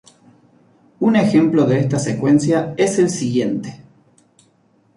Un ejemplo de esta secuencia es el siguiente.